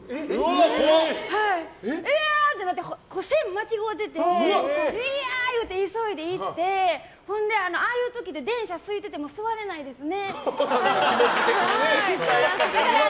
うわーってなって線を間違うててうわーって言って急いで行ってほんで、ああいう時って電車すいてても座れないですね